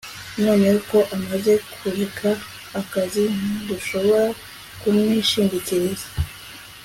Noneho ko amaze kureka akazi ntidushobora kumwishingikiriza